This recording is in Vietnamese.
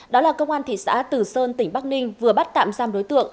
đó là công an thị xã từ sơn tỉnh bắc ninh vừa bắt tạm giam đối tượng